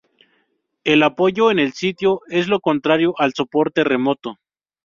El apoyo en el sitio es lo contrario al soporte remoto.